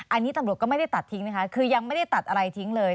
อันนี้ตำรวจก็ไม่ได้ตัดทิ้งนะคะคือยังไม่ได้ตัดอะไรทิ้งเลย